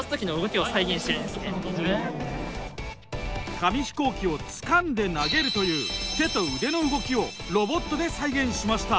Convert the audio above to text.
紙飛行機をつかんで投げるという手と腕の動きをロボットで再現しました。